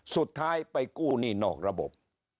สุดท้ายไปกู้หนี้นอกระบบ